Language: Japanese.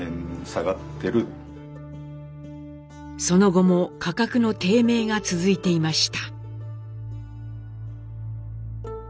その後も価格の低迷が続いていました。